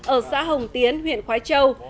ở xã hồng tiến huyện khói châu